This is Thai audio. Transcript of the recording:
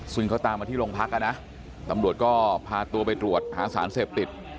ซึ่งเขาตามมาที่โรงพักอ่ะนะตำรวจก็พาตัวไปตรวจหาสารเสพติด